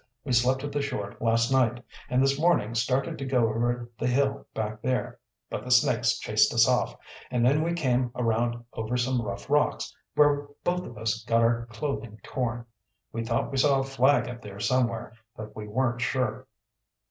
We slept at the shore last night, and this morning started to go over the hill back there. But the snakes chased us off, and then we came around over some rough rocks, where both of us got our clothing torn. We thought we saw a flag up there somewhere, but we weren't sure."